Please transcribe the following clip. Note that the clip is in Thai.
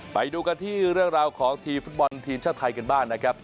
ไปดูกันที่เรื่องราวของทีมฟุตบอลทีมชาติไทยกันบ้างนะครับ